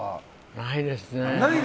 ないですね。